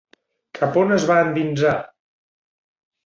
Cap on es va endinsar?